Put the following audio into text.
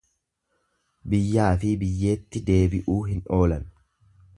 Biyyaafi biyyeetti deebi'uu hin oolan.